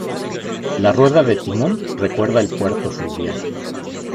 La rueda de timón recuerda el puerto fluvial.